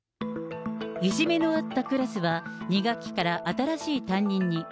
いじめのあったクラスは２学期から新しい担任に。